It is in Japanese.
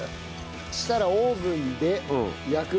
そしたらオーブンで焼く。